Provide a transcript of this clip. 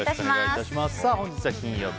本日は金曜日。